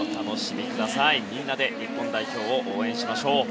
みんなで日本代表を応援しましょう。